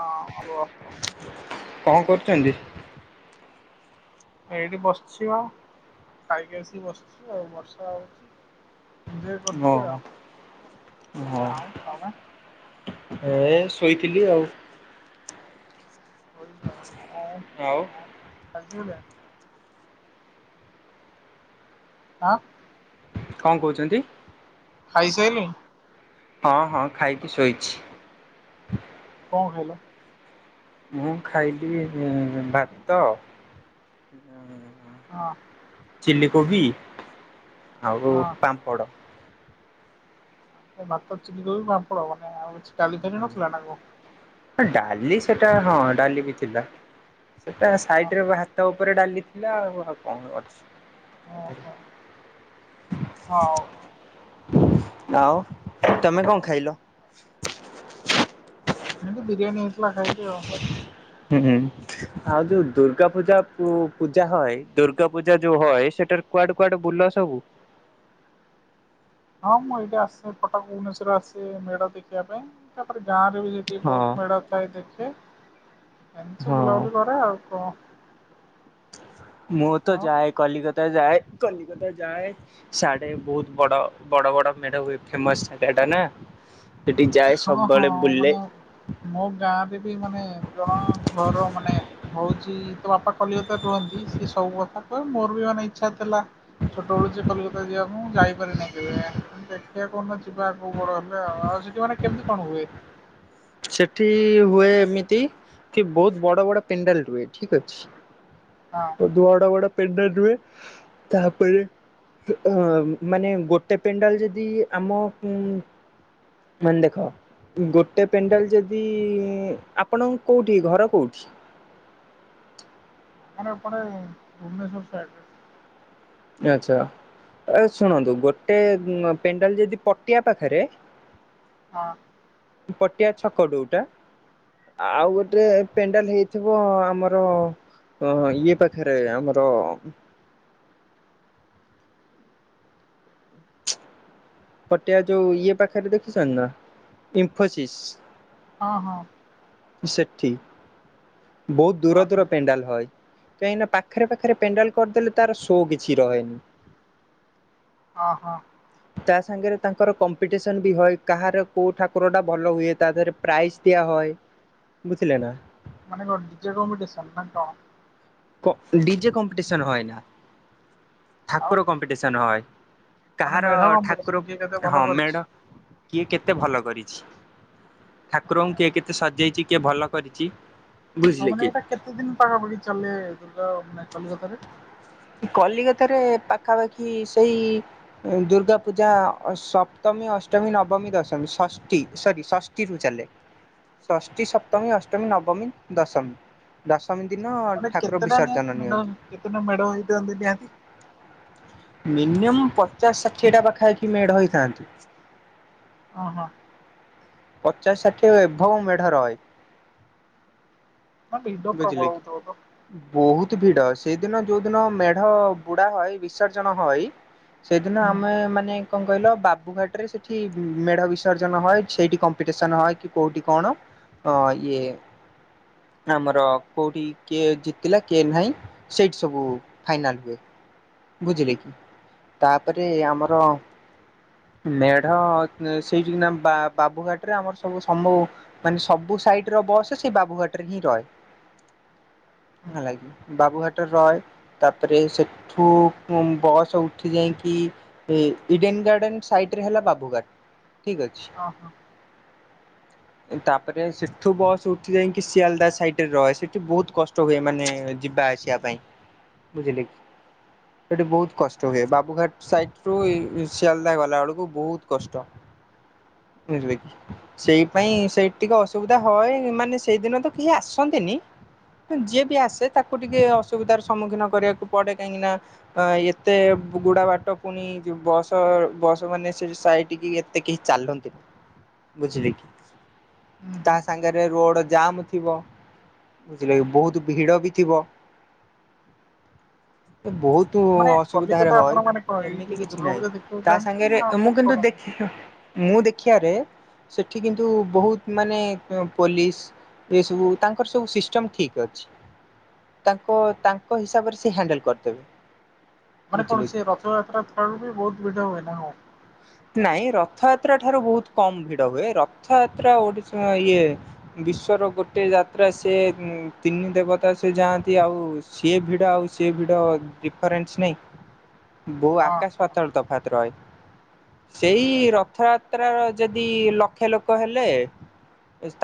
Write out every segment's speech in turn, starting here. ହଁ ରୁହ। କଣ କରୁଛନ୍ତି? ଏଇଠି ବସିଛି ଆଉ ଖାଇକି ଆସିକି ବସିଛି ଆଉ ବର୍ଷା ହଉଛି। ଏଞ୍ଜୟ ହଁ କରୁଛି ଆଉ, ହଁ। ଆଉ ତମେ? ଏ ଶୋଇଥିଲି ଆଉ। [unintelligible] ଆଉ [unintelligible] [unintelligible] କଣ କହୁଛନ୍ତି? ଖାଇସାଇଲେଇ? ହଁ ହଁ ଖାଇକି ଶୋଇଛି। କଣ ଖାଇଲ? ମୁଁ ଖାଇଲି ବାତ ହଁ ଚିଲ କୋବି, ଆଉ ହଁ ପାମ୍ପଡ଼। ଭାତ, ଚିଲି କୋବି, ପାମ୍ପଳ ମାନେ ଆଉ ଡାଲି ଫାଲି ନଥିଲା ନା କଣ? ଡାଲି ସେଟା ହଁ ଡାଲି ବି ଥିଲା ସେଟା ସାଇଡରେ ବା ଭାତ ଉପରେ ଡାଲି ଥିଲା ଆଉ କଣ ଅଛି? ଓହୋ ହଉ [unintelligible] ଆଉ ତମେ କଣ ଖାଇଲ? ଆଗ ବିରିଆନି ହେଇଥିଲା ଖାଇଲି ଆଉ। ହୁଁ ହୁଁ ଆଉ ଯୋଉ ଦୁର୍ଗା ପୂଜା ପୂଜା ହଏ ଦୁର୍ଗା ପୂଜା ଯୋଉ ହଏ ସେଟାରେ କୁଆଡେ କୁଆଡେ ବୁଲ ସବୁ? ହଁ ମୁଁ ଏଇଠି ଆସେ ପଟକ ଭୁବନେଶ୍ଵର ଆସେ ମେଢ ଦେଖିବା ପାଇଁ ତାପରେ ଗାଁରେ ବିି ସେ ହଁ ବହୁତ ମେଢ ପ୍ରାଏ ଦେଖେ। ଏମିତି ସବୁ ହଁ। ବୁଲାବଲି କରେ ଆଉ କଣ। ମୁଁ ତ ହଁ। ଯାଏ କଲିକତା ଯାଏ କଲିକତା ଯାଏ। ସାଡେ ବହୁତ ବଡ ବଡ ବଡ ମେଢ ହୁଏ ଫେମସ ଜାଗାଟା ନା। ସେଠିକି ଯାଏ ହଁ ହଁ ସବୁବେଳେ ବୁଲେ। ମାନେ ମୋ ଗାଁରେ ବି ମାନେ ଜଣ ଘର ମାନେ ହଉଛି ତୋ ବାପା କଲିକତା ରେ ରୁହନ୍ତି। ସବୁ କଥା କହ ମୋର ବି ମାନେ ଇଚ୍ଛା ଥେଲା। ଛୋଟବେଳୁ ସେ କଲିକତା ଯିବାକୁ ମୁଁ ଯାଇପାରିନି କେବେ ଦେଖିବା କୋଉ ଦିନ ଯିବା ପୁଅ ବଡ ହେଲେ ଆଉ ଯି କୁଆଡେ଼ କେମତି କଣ ହୁଏ? ସେଠି ହୁଏ ଏମିତି କି ବହୁତ ବଡ ବଡ ପେଣ୍ଡାଲ ହୁଏ ଠିକ ଅଛି। ହଁ। ବଡା ବଡା ପେଣ୍ଡାଲ ରୁହେ ତାପରେ ମାନେ ଗୋଟେ ପେଣ୍ଡାଲ ଯଦି ଆମ ଉଁ ମାନେ ଦେଖ ଗୋଟେ ପେଣ୍ଡାଲ ଯଦି ଆପଣ କେଉଠି ଘର କେଉଠି? ଆମ ଏପଟେ ଭୁବନେଶ୍ଵର ସାଇଡରେ। ଆଚ୍ଛା। ଏ ଶୁଣନ୍ତୁ ଗୋଟେ ପେଣ୍ଡାଲ୍ ଯଦି ପଟିଆ ପାଖେରେ ହଁ। ‌ ପଟିଆ ଛକ ଡୋଉଟା ଆଉ ଗୋଟେ ପେଣ୍ଡାଲ୍ ହେଇଥିବ ଆମର ହଁ ହଁ ଇଏ ପାଖେରେ ଆମର ପଟିଆ ଯୋଉ ଇଏ ପାଖେରେ ଦେଖିଛନ୍ତି ନା ଇନଫୋସିସ୍? ହଁ ହଁ। ସେଠି ବହୁତ୍ ଦୂର ଓହୋ ଦୂର ପେଣ୍ଡାଲ ହଏ। କାହିଁକିନା ପାଖେରେ ପାଖେରେ ପେଣ୍ଡାଲ୍ କରିଦେଲେ ତାର ସୋ କିଛି ରହେନି। ହଁ ହଁ। ତା ସଙ୍ଗେରେ ତାଙ୍କର କମ୍ପିଟେସନ ବି ହଏ, କାହାର କୋଉ ଠାକୁର ଟା ଭଲ ହୁଏ ତା ଧେରେ ପ୍ରାଇଜ୍ ଦିଆ ହଏ, ବୁଝିଲେ ନା? ମାନେ କଣ ଡିଜେ କମ୍ପିଡିସନ୍ ନା କଣ? କୋ ଡିଜେ କମ୍ପିଡିସନ୍ ହୋଏନା। ଆଉ ଠାକୁର କମ୍ପିଟେସନ୍ ହଏ, ମାନେ କାହାର ମେଢ ଠାକୁର କମ୍ପିଟିସନ କିଏ କେତେ ହଁ ଭଲ କରିଛି ମେଢ କିଏ କେତେ ଭଲ କରିଛି, ମାନେ ଠାକୁରଙ୍କୁ କିଏ କେତେ ସଜେଇଚି କିଏ ଭଲ କରିଚି ହଁ ମାନେ ଏଇଟା କେତେ ଦିନ୍ ପାଖାପାଖି ଚାଲେ ଦୁର୍ଗା ମାନେ କଲିକତାରେ? କଲିକତାରେ ପାଖାପାଖି ସେଇ ଦୁର୍ଗା ପୂଜା ଅ ସପ୍ତମୀ, ଅଷ୍ଟମୀ, ନବମୀ, ଦଶମୀ, ଷଷ୍ଠୀ ସରି ସସ୍ ଟି ରୁ ଚାଲେ। ଷଷ୍ଠୀ, ସପ୍ତମୀ, ଅଷ୍ଟମୀ, ନବମୀ, ଦଶମୀ। ଦଶମୀ ଦିନ ମାନେ ଠାକୁର କେତେଟା ନିହାତି ବିସର୍ଜନ ମେଢ ନିଅନ୍ତି। କେତେଟା ମେଢ ହେଇଥାନ୍ତି ନିହାତି? ମିନିମମ୍ ପଚାଶ ଷାଠିଏଟା ପାଖାପାଖି ମେଢ଼ ହେଇଥାନ୍ତି। ହଁ ହଁ। ପଚାଶ ଷାଠିଏ ଏଭବ ମେଢ ରଏ। ହଁ ଭିଡ଼ ପ୍ରବଳ ହେଉଥିବ ତ? ବହୁତ୍ ଭିଡ। ସେଇଦିନ ଯୋଉ ଦିନ ମେଢ ବୁଡ଼ା ହଏ, ବିସର୍ଜନ ହଏ ସେଦିନ ହୁଁ ଆମେ ମାନେ କଣ କହିଲ, ବାବୁଘାଟରେ ସେଠି ମେଢ ବିସର୍ଜନ ହଏ, ସେଇଠି କମ୍ପିଟେସନ ହଏ କି କୋଉଠି କଣ ହଁ ଇଏ ଆମର କେଉଠି କିଏ ଜିତିଲା, କିଏ ନାହିଁ, ସେଇଠି ସବୁ ଫାଇନାଲ୍ ହୁଏ। ବୁଝିଲେକି, ତାପରେ ଆମର ମେଢ ସେଇଠିକିନା କିନା ବା ବାବୁଘାଟରେ ଆମର ସବୁ ମାନେ ସବୁ ସାଇଟ୍ ର ବସ ସେ ବାବୁଘାଟରେ ହିଁ ରହେ। ହୁଁ ହେଲାକି। ବାବୁଘାଟରେ ରଏ, ତାପରେ ସେ ଠୁ ବ ବସ ଉଠି ଯାଇଁକି ଇ ଇଡେନ ଗାର୍ଡେନ ସାଇଟ୍ ରେ ହେଲା ବାବୁଘାଟ୍, ଠିକ୍ ଅଛି। ହଁ ହଁ। ତାପରେ ସେଠୁ ବସ୍ ଉଠି ଯାଇକି ସିଆଲଦା ସାଇଟ୍ ରେ ରହେ, ସେଠି ବହୁତ୍ କ ଷ୍ଟ ହୁଏ ମାନେ ଯିବା ଆସିବା ପାଇଁ ବୁଝିଲେ କି। ସେଠି ବହୁତ୍ କଷ୍ଟ ହୁଏ, ବାବୁଘାଟ୍ ସାଇଟ୍ ରୁ ଏଇ ଶିଆଲଦା ଗଲା ବେଳକୁ ବହୁତ୍ କଷ୍ଟ। ବୁଝିଲେ କି? [unintelligible] ସେଇପାଇଁ ସେଇଠି ଟିକେ ଅସୁବିଧା ହଏ, ମାନେ ସେଇଦିନ ତ କେହି ଆସନ୍ତିନି ଯିଏ ବି ଆସେ ତାକୁ ଟିକେ ଅସୁବିଧାର ସମ୍ମୁଖୀନ କରିବାକୁ ପଡେ। କାହିଁକି ନା ଅ ଏତେଗୁଡା ବାଟ ପୁଣି ଯ ବସ-ବସ ମାନେ ସେ ସାଇଟିକି ଏତେ କେହି ଚାଲନ୍ତିନି। ବୁଝିଲେ କି? ହୁଁ ତା ହୁଁ। ସଙ୍ଗେରେ ରୋଡ ଜାମ୍ ଥିବ। ବହୁତ୍ ଭିଡ ବି ଥିବ। ଏ ବହୁତ ତୁ ଆଉ ମାନେ କଲିକତା ଅସୁବିଧାରେ ଆପଣ ହଇ, ମାନେ କଣ ଏଇଠି ଏମିତି କିଛି ଦୁର୍ଗା ନାହିଁ। ପୂଜା ଦେଖିବାକୁ ତା ଯାଆନ୍ତି ସାଙ୍ଗରେ ନା ଆଉ ମୁଁ କଣ କିନ୍ତୁ କରନ୍ତି? ଦେଖି ମୁଁ ଦେଖିବାରେ ସେଠି କିନ୍ତୁ ବହୁତ ମାନେ ପୋଲିସି ଏସବୁ ତାଙ୍କର ସବୁ ସିଷ୍ଟମ୍ ଠିକ୍ ଅଛି। ତାଙ୍କ ତାଙ୍କ ହିସାବରେ ସେ ହ୍ୟାଣ୍ଡେଲ କରିଦେବେ। ମାନେ କଣ ବୁଝିଲେ କି ସେ ରଥଯାତ୍ରା ଠାରୁ ବି ବହୁତ ଭିଡ ହୁଏ ନା କଣ? ନାଇଁ ରଥଯାତ୍ରା ଠାରୁ ବହୁତ କମ ଭିଡ ହୁଏ। ରଥଯାତ୍ରା ଓଡ଼ିଶା ଇଏ, ବିଶ୍ଵର ଗୋଟେ ଯାତ୍ରା ସେ ଉଁ ତିନି ଦେବତା ସେ ଯାଆନ୍ତି ଆଉ ସିଏ ଭିଡ଼ ଆଉ ସିଏ ଭିଡ଼ ଡିଫରେନ୍ସ ନାହିଁ? [inaudible] ବହୁ ଓହୋ ଆକାଶ ପାାତଳ ତଫାତ ରହେ। ସେଇ ରଥଯାତ୍ରାର ଯଦି ଲକ୍ଷ୍ୟ ଲୋକ ହେଲେ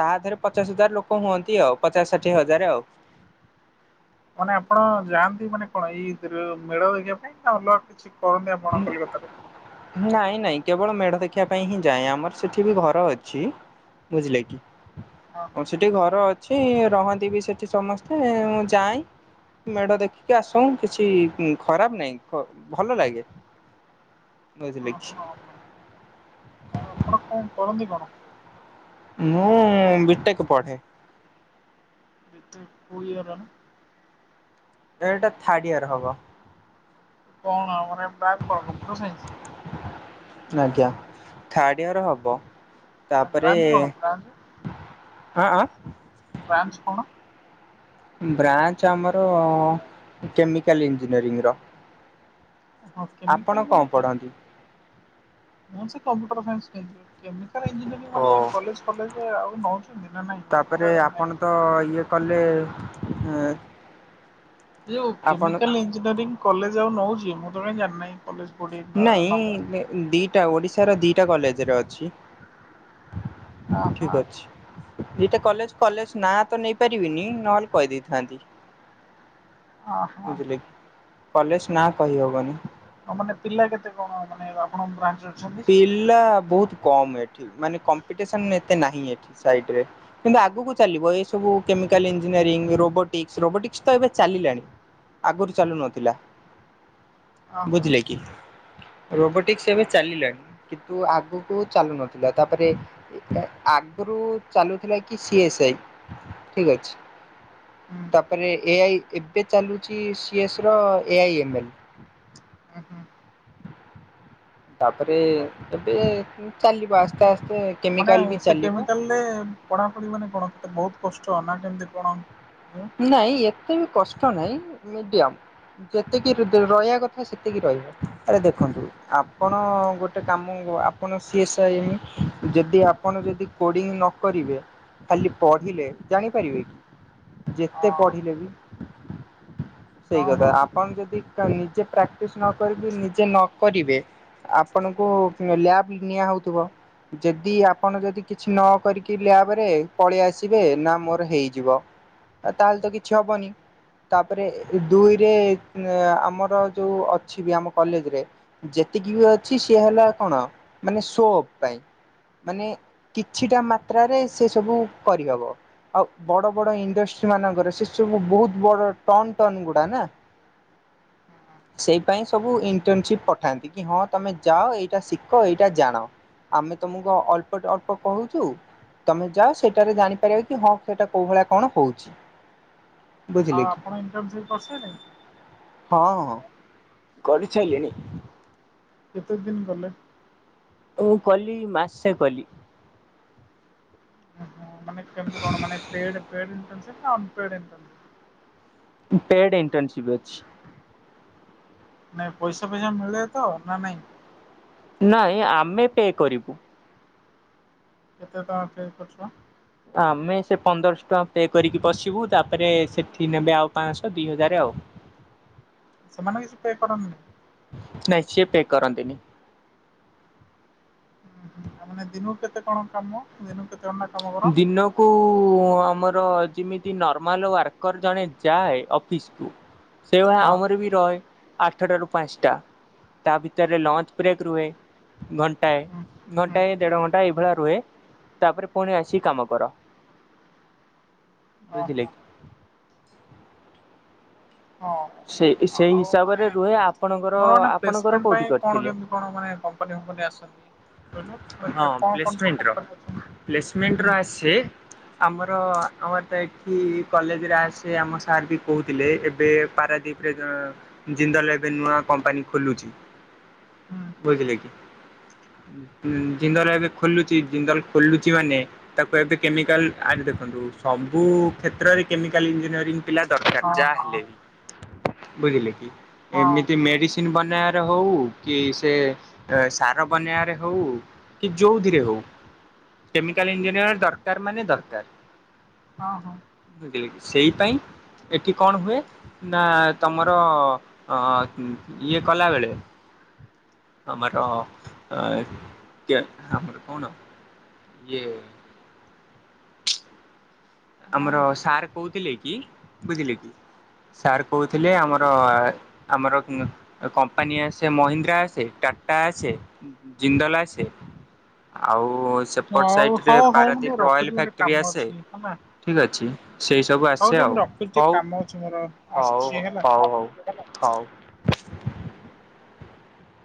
ତା ଦେହରେ ପଚାଶ ହଜାର ଲୋକ ହୁଅନ୍ତି ଆଉ। ପଚାଶ ଷାଠିଏ ହଜାର ଆଉ। ମାନେ ଆପଣ ଯାଆନ୍ତି ମାନେ କଣ ଇଦର ମେଳ ଦେଖିବା ପାଇଁ ନ ଅଲଗା କଣ? କିଛି କରନି ଆପଣ କଲିକତାରେ। ନାଇଁ ନାଇଁ କେବଳ ମେଢ଼ ଦେଖିବା ପାଇଁ ହିଁ ଯାଏଁ। ଆମର ସେଠିବି ଘର ଅଛି। ବଝିଲେ କି? ହଁ। ହଁ ସେଠି ଘର ଅଛି। ରହନ୍ତି ବି ସେଠି ସମସ୍ତେ ମୁଁ ଯାଏଁ। ମେଢ ଦେଖିକି ଆସେ। କିଛି ଉଁ ଖରାପ ନାହିଁ କ ଭଲ ଲାଗେ। ବୁଝିଲେ ଅଁ କି। ହଁ ହଁ। ଆଉ ଆପଣ କଣ କରନ୍ତିି କଣ? ମୁଁ ବିଟେକ ପଢେ। ବି ଟେକ କୋଉ ଇୟର ଏଇଟା? ରେ ଏଇଟା ଥାର୍ଡ଼ ଇୟର ହବ। [unintelligible] ଆଜ୍ଞା ଥାର୍ଡଇୟର ହବ। ତାପରେ ବ୍ରାଞ୍ଚ କଣ ବ୍ରାଞ୍ଚ ଆଁ ଆଁ ବ୍ରାଞ୍ଚ କଣ? ବ୍ରାଞ୍ଚ ଆମର କେମିକାଲ ଇଞ୍ଜିନିୟରିଂର। ହଁ କେମିକାଲ ନା କଣ ମେକା ପଢନ୍ତି? ମୁଁ ସେ କମ୍ପ୍ୟୁଟର ସାଇନ୍ସ ନେଇଥିଲି। କେମିକାଲ ଇଞ୍ଜିନିୟରିଂ ଓ ମାନେ କଲେଜ ଫଲେଜ ଆଉ ନଉଛନ୍ତି ନା ନାଇଁ? ମୁଁ ତାପରେ ତ ଜାଣିନି ଏ ଆପଣ ତ ଇଏ କଲେ। ଏଁ ଯୋଉ କେମିକାଲ ଇଞ୍ଜିନିୟରିଂ କଲେଜ ଆଉ ନଉଚି ମୁଁ ତ କାଇଁ ଜାଣିନାଇଁ। ନାଇଁ ଦିଟା ଓଡ଼ିଶାର ଦିଟା କଲେଜରେ ଅଛି। ଅହ ଠିକି ଅଛି। ଦିଟା କଲେଜ, କଲେଜ ନାଁ ତ ନେଇ ପାରିବିନି, ନହେଲେ କହିଦେଇଥାନ୍ତି। ଅହ ବୁଝିଲେ? ଆଉ କଲେଜ ନା କହିହବନି। ଆଉ ମାନେ ପିଲା କେତେ କଣ ମାନେ ଆପଣଙ୍କ ବ୍ରାଞ୍ଚର? ପିଲା ବହୁତ କମ୍ ଏଠି। ମାନେ କମ୍ପିଟେସନ ଏତେ ନାହିଁ ଏଠି ସାଇଟିରେ। କିନ୍ତୁ ଆଗକୁ ଚାଲିବ। ଏ ସବୁ କେମିକାଲ ଇଞ୍ଜିନିୟରିଂ, ରୋବୋଟିକ୍ସ, ରୋବୋଟିକ୍ସ ତ ଏବେ ଚାଲିଲାଣି। ଆଗରୁ ଚାଲୁ ନଥିଲା। ଅହ ବୁଝିଲେ କି ରୋବଟିକ୍ସ ଏବେ ଚାଲିଲାଣି। କିନ୍ତୁ ଆଗକୁ ଚାଲୁ ନଥିଲା ତା ପରେ ଆଗରୁ ଚାଲୁଥିଲା କି ସିଏସ୍ଆଇ ଠିକ୍ ଅଛି। ହୁଁ ତାପରେ ଏଆଇ ଏବେ ଚାଲୁଚି ସି ଏସ ର ଏ ଆଇ ଏମ ଏଲ। ଆ ହୁଁ। ତାପରେ ହଁ। ଏବେ ଚାଲିବ ଆସ୍ତେଆସ୍ତେ। ମାନେ ସେ କେମିକାଲ କେତେ ପଢ଼ାପଢ଼ି ମାନେ କଣ କେତେ ବହୁତ କଷ୍ଟ ନା କେମିତି କଣ ଉଁ? ନାଇଁ ଏତେ ବି କଷ୍ଟ ନାଇଁ ମିଡିୟମ। ଯେତିକି ରୟା ରହିବା କଥା ସେତିକି ରହିବ ଆରେ ଦେଖନ୍ତୁ। ଆପଣ ଗୋଟେ କାମୁ ଆପଣ ସିଏ ସଇନି ଯଦି ଆପଣ ଯଦି କୋଡ଼ିଙ୍ଗ ନ କରିବେ ଖାଲି ପଢ଼ିଲେ ଜାଣିପାରିବେ କି? ଅ ଯେତେ ପଢ଼ିଲେ ବି ହଁ ସେଇ କଥା ହଁ ଆ କଣ ଯଦି ନିଜେ ପ୍ରାକ୍ଟିସ୍ ନ କରିକି ନିଜେ ନ କରିବେ ଆପଣଙ୍କୁ ଲ୍ୟାବ୍ ନିଆହଉଥିବ। ଯଦି ଆପଣ ଯଦି କିଛି ନ କରିକି ଲ୍ୟାବ୍ ରେ ପଳେଇ ଆସିବେ ନା ମୋର ହେଇଯିବ। ଆଉ ତା ହେଲେ ତ କିଛି ହବନି। ତା ପରେ ଦୁଇରେ ଅ ଆମର ଯୋଉ ଅଛି ବି ଆମ କଲେଜ୍ ରେ ଯେତିକି ବି ଅଛି ସେ ହେଲା କଣ ମାନେ ସୋ ଅପ୍ ପାଇଁ ମାନେ କିଛିଟା ମାତ୍ରାରେ ସେ ସବୁ କରିହବ ଆଉ ବଡ଼-ବଡ଼ ଇଣ୍ଡଷ୍ଟ୍ରି ମାନଙ୍କରେ ସେସବୁ ବହୁତ ବଡ ଟନ୍-ଟନ୍ ଗୁଡା ନାଁ। ସେଇ ପାଇଁ ସବୁ ଇଣ୍ଟର୍ନସିପ୍ ପଠାନ୍ତି କି ହଁ ତମେ ଯାଅ ଏଇଟା ଶିଖ ଏଇଟା ଜାଣ। ଆମେ ତମକୁ ଅଳ୍ପ-ଅଳ୍ପ କହୁଛୁ। ତମେ ଯାଅ ସେଠାରେ ଜାଣିପାରିବ କି ହଁ ସେଇଟା କଣ କୋଉ ଭଳିଆ କଣ ହଉଛି। ବୁଝିଲେ ଆଉ କି ଆପଣ ଇଣ୍ଟର୍ନସିପ୍ କରିସାରିଲେଣି? ହଁ-ହଁ କରି ସାରିଲିଣି। କେତେ ଦିନି କଲେ? ମୁଁ କଲି ମାସେ କଲି। ମାନେ କେମତି କଣ ମାନେ ପେଡ୍ ଫେଡେ ଇଣ୍ଟନସିପ୍ ନାଁ unpaid internship? Paid internship ଅଛି। ନାଇଁ ପଇସା-ପଇସା ମିଳେ ତ ନାଁ ନାଇଁ? ନାଇଁ ଆମେ ପେ କରିବୁ। କେତେ ଟଙ୍କା ପେ କରୁଚ? ଆମେ ସେ ପନ୍ଦରଶହ ଟଙ୍କା ପେ କରିକି ବସିବୁ ତା ପରେ ସେଠି ନେବେ ଆଉ ପାଞ୍ଚଶହ ଦିହଜାର ଆଉ। ସେମାନେ କିଛି ପେ କରନ୍ତିନି। ନାଇଁ ସିଏ ପେ କରନ୍ତିିନି। ହୁଁ ମାନେ ଦିନକୁ କେତେ କଣ କାମ ଦିନ? [unintelligible] ଦିନ କୁ ଆମର ଯେମିତି ନର୍ମାଲ୍ ୱାର୍କର୍ ଜଣେ ଯାଏ ଅଫିସ୍ କୁୁ ସେଇ ଭଳିଆ ହଁ ଆମର ବି ରହେ ଆଠଟା ରୁ ପାଞ୍ଚଟା ତା ଭିତରେ ଲଞ୍ଚ୍ ବ୍ରେକ୍ ରୁହେ। ହୁଁ ହୁଁ ଘଣ୍ଟାଏ-ଘଣ୍ଟାଏ ଦେଢ଼ ଘଣ୍ଟା ଏଇ ଭଳିଆ ରୁହେ ତା ପରେ ଫୁଣି ଆସିି କାମ କର ବୁଝିଲେ? ଓହୋ ସେଇ ହଁ ସେଇ ଆଉ ମାନେ ହିସାବରେ ରୁହେ ମୋର ମାନେ ଆପଣଙ୍କର-ଆପଣଙ୍କର ପ୍ଲେସମେଣ୍ଟ ପାଇଁ କୋଉଠି କଣ କରିଥିଲେ? କେମିତି କଣ ମାନେ କମ୍ପାନୀ ଫମ୍ପାନୀ ଆସନ୍ତି? ତେଣୁ ହେଲା ହଁ କି କଣ କଣ ସବୁ କମ୍ପାନୀ ଅଛନ୍ତି? ହୁଁ। ଡେ। ଆମର ଆମର ତ ଏଠି କଲେଜ୍ ରେ ଆସେ ଆମ ସାର୍ ବି କହୁଥିଲେ ଏବେ ପାରାଦୀପ୍ ସେତ ଜିନ୍ଦଲ୍ ଲେ ଏବେ ନୂଆ କମ୍ପାନୀ ଖୋଲୁଛି। ହୁଁ ବୁଝିଲେ କି। ଜିନ୍ଦଲ୍ ଏବେ ଖୋଲୁଚି ଜିନ୍ଦଲ୍ ଖୋଲୁଚି ମାନେ ତାକୁ ଏବେ କେମିକାଲ୍ ଆରେ ଦେଖନ୍ତୁ ସବୁ କ୍ଷେତ୍ରରେ କେମିକାଲ୍ ଇଞ୍ଜିନିୟରିଂଙ୍ଗି ପିଲା ଦରକାର୍ ହଁ ଯାହା ହଁ। ହେଲେ ବି ବୁଝିଲେ କି ହଁ ଏମିତି ମେଡିସି ନ୍ ବନେଇ ବାରେ ହୋଉ କି ସେ ସାର ବନେଇ ବାରେ ହଉ କି ଯୋଉ ଥିରେ ହଉ। କେମିକାଲ୍ ଇଞ୍ଜିନିୟର ଦରକାର୍ ମାନେ ଦରକାର୍। ହଁ ହଁ। ସେଇ ପାଇଁ ଏଠି କଣ ହୁଏ? ନା ତମର ଅ ଇଏ କଲାବେଳେ ଆମାଟ ଏ ଆଜ୍ଞା ଆପରେ କଣ ଇଏ? ହଁ। ଆମର ସାର୍ କହୁଥିଲେ କି ବୁଝିଲେ କି ସାର୍ କହୁଥିଲେ ଆମର ଆମର କମ୍ପାନୀ ଆସେ ମହିନ୍ଦ୍ରା ଆସେ ଟାଟା ଆସେ। ଜିନ୍ଦଲ୍ ଆସେ ଆଉ ସେପଟ ହଉ ସାଇଟ୍ ରେ ପାରାଦ୍ୱୀପ ଅଏଲ୍ ଫ୍ୟାକ୍ଟ୍ରି ଆସେ। ହଁ ମା। ଠିକ୍ ଅଛି ସେଇସବୁ ଆସେ ଆଉ ଟିକେ ହଉ କାମ ଅଛି ମୋର ଆସୁଛି ହଉ ହେଲା। ହଉ ହଉ। ହଉ।